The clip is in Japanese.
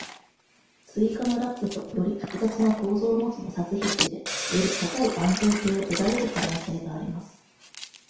追加のラップとより複雑な構造を持つ摩擦ヒッチで、より高い安全性を得られる可能性があります。